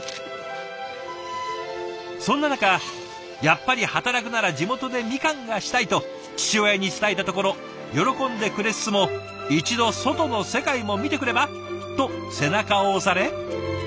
そんな中「やっぱり働くなら地元でみかんがしたい！」と父親に伝えたところ喜んでくれつつも「一度外の世界も見てくれば？」と背中を押され。